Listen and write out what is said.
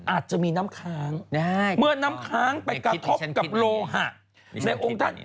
อาจจะมีน้ำค้างเมื่อน้ำค้างไปกระทบกับโลหะในองค์ท่าน